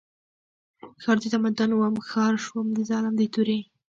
ښار د تمدن وم ښکار شوم د ظالم د تورې